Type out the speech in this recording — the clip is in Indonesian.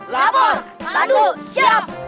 lapor tandu siap